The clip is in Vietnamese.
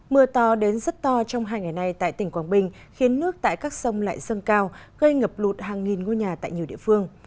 mưa to đến rất to trong hai ngày nay tại tỉnh quảng bình khiến nước tại các sông lại sơn cao gây ngập lụt hàng nghìn ngôi nhà tại nhiều địa phương